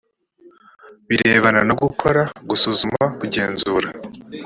birebana no gukora, gusuzuma, kugenzura